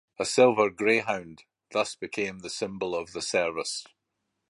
A silver greyhound thus became the symbol of the Service.